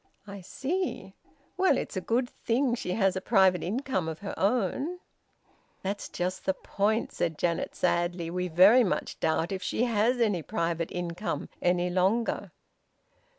"I see. Well, it's a good thing she has a private income of her own." "That's just the point," said Janet sadly. "We very much doubt if she has any private income any longer."